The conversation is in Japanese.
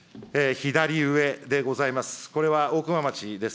左上でございます。